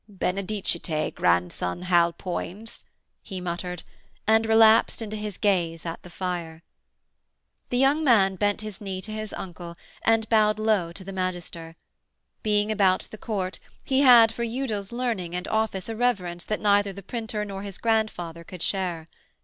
'Benedicite, grandson Hal Poins,' he muttered, and relapsed into his gaze at the fire. The young man bent his knee to his uncle and bowed low to the magister. Being about the court, he had for Udal's learning and office a reverence that neither the printer nor his grandfather could share.